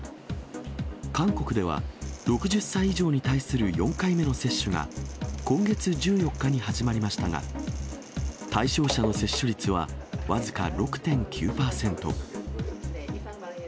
韓国では、６０歳以上に対する４回目の接種が、今月１４日に始まりましたが、対象者の接種率は僅か６．９％。